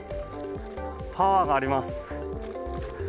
パワーがあります。